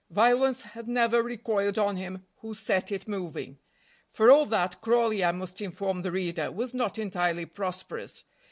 Violence had never recoiled on him who set it moving. For all that, Crawley, I must inform the reader, was not entirely prosperous.